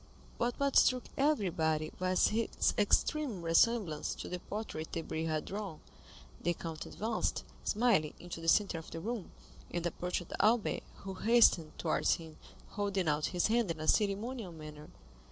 But what struck everybody was his extreme resemblance to the portrait Debray had drawn. The count advanced, smiling, into the centre of the room, and approached Albert, who hastened towards him holding out his hand in a ceremonial manner.